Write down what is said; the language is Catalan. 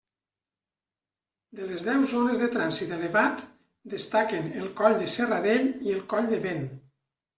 De les deu zones de trànsit elevat destaquen el coll de Serradell i el coll de Vent.